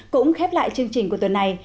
cũng khép lại chương trình của tuần này